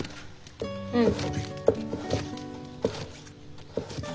うん。